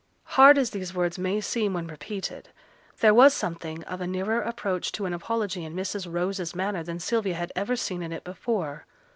Hard as these words may seem when repeated, there was something of a nearer approach to an apology in Mrs. Rose's manner than Sylvia had ever seen in it before.